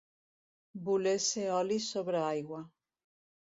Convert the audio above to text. Voler ser oli sobre aigua.